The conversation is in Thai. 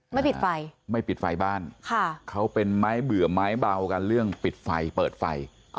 ไม่ปิดไฟไม่ปิดไฟบ้านเขาเป็นไม้เบื่อไม้เบากันเรื่องปิดไฟเปิดไฟ